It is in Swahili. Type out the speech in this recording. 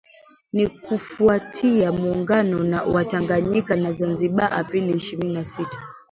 Ni kufuatia Muungano wa Tanganyika na Zanzibar Aprili ishirini na sita